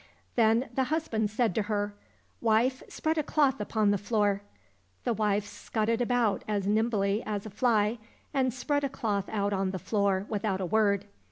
Then the husband said to her, '' Wife, spread a cloth upon the floor." The wife scudded about as nimbly as a fly, and spread a cloth out on the floor without a word.